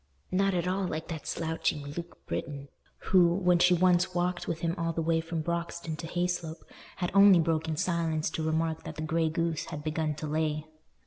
Not at all like that slouching Luke Britton, who, when she once walked with him all the way from Broxton to Hayslope, had only broken silence to remark that the grey goose had begun to lay.